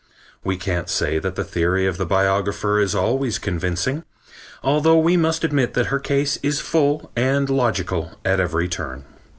We can't say that the theory of the biographer is always convincing, although we must admit that her case is full and logical at every turn.